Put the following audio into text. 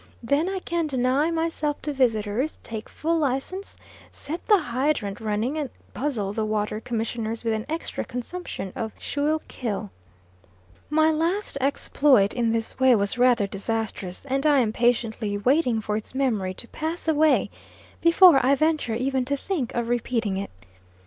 Then I can deny myself to visitors take full license set the hydrant running, and puzzle the water commissioners with an extra consumption of Schuylkill. My last exploit in this way was rather disastrous; and I am patiently waiting for its memory to pass away, before I venture even to think of repeating it.